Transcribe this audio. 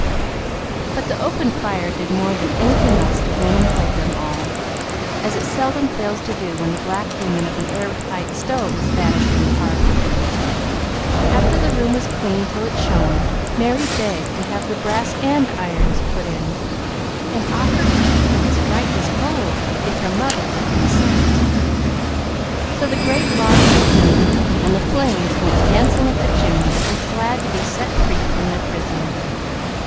But the open fire did more than anything else to win and hold them all, as it seldom fails to do when the black demon of an airtight stove is banished from the hearth. After the room was cleaned till it shone, Merry begged to have the brass andirons put in, and offered to keep them as bright as gold if her mother would consent. So the great logs were kindled, and the flames went dancing up the chimney as if glad to be set free from their prison.